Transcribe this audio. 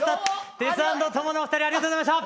テツａｎｄトモのお二人ありがとうございました。